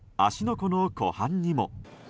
湖の湖畔にも。